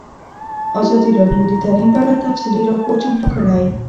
ازادي راډیو د تعلیم په اړه تفصیلي راپور چمتو کړی.